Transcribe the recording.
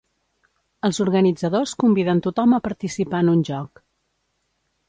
Els organitzadors conviden tothom a participar en un joc.